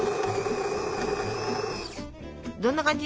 どんな感じ？